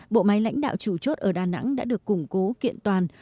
bộ máy lãnh đạo chủ chốt ở đà nẵng đã được củng cố kiện toàn